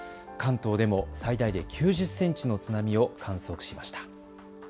関東でも最大で９０センチの津波を観測しました。